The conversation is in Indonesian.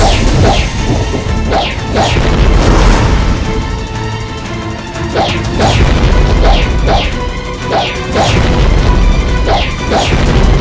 sabit kembar itu